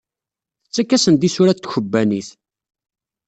Tettak-asen-d isurad tkebbanit.